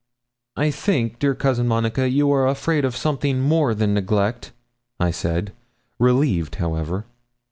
'I think, dear Cousin Monica, you are afraid of something more than neglect,' I said, relieved, however.